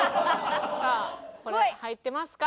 さあこれ入ってますか？